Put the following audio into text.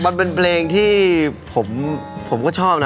มันเป็นเพลงที่ผมก็ชอบนะ